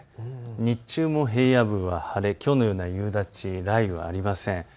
日中も平野部は晴れ、きょうのような夕立や雷雨はありません。